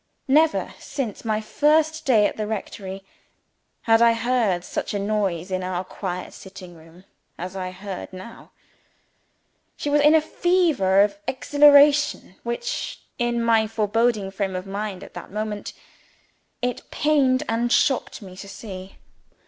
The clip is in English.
Never, since my first day at the rectory, had I heard such a noise in our quiet sitting room as I heard now. She was in a fever of exhilaration which, in my foreboding frame of mind at that moment, it pained and shocked me to see.